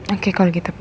oke kalau gitu pak